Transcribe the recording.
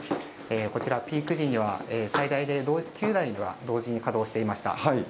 こちら、ピーク時には最大で９台が同時に稼働していました。